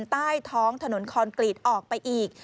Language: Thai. ใต้ท้องถนนคอนกรีตออกไปอีก